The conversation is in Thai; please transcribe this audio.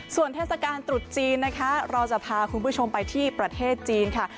ส่วนเทศกาลตรุษจีนนะคะเราจะพาคุณผู้ชมไปที่ประเทศจีนค่ะ